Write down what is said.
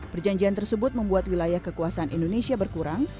perjanjian tersebut membuat wilayah kekuasaan indonesia berkurang